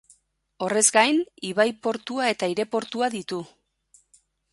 Horrez gain, ibai-portua eta aireportua ditu.